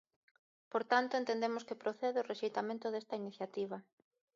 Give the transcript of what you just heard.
Por tanto, entendemos que procede o rexeitamento desta iniciativa.